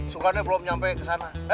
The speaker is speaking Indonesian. sukanya belum sampai ke sana